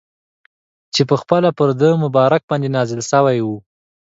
چي پخپله پر ده مبارک باندي نازل سوی وو.